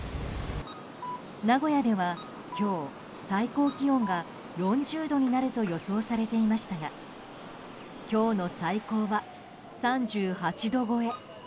名古屋では今日最高気温が４０度になると予想されていましたが今日の最高は３８度超え。